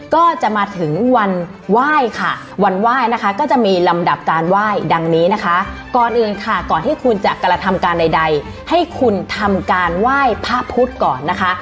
ก็จะมาถึงวันไหว้ค่ะวันไหว้นะคะก็จะมีลำดับการไหว้ดังนี้นะคะก่อนอื่นค่ะก่อนที่คุณจะกระทำการใดให้คุณทำการไหว้พระพุทธก่อนนะคะ